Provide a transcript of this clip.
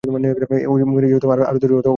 ঐ সিরিজে তিনি আরও দু'টি অর্ধ-শতক করেন।